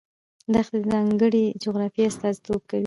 دښتې د ځانګړې جغرافیې استازیتوب کوي.